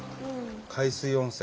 海水温泉。